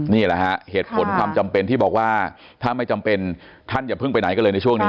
นี่แหละฮะเหตุผลความจำเป็นที่บอกว่าถ้าไม่จำเป็นท่านอย่าเพิ่งไปไหนก็เลยในช่วงนี้